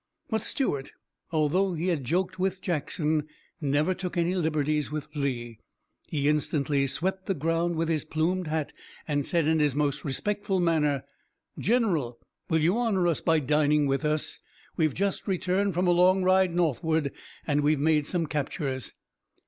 But Stuart, although he had joked with Jackson, never took any liberties with Lee. He instantly swept the ground with his plumed hat and said in his most respectful manner: "General, will you honor us by dining with us? We've just returned from a long ride northward and we've made some captures."